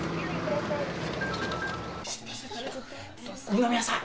二宮さん。